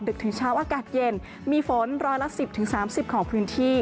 ดึกถึงเช้าอากาศเย็นมีฝนร้อยละสิบถึงสามสิบของพื้นที่